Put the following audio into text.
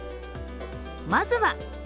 まずは＃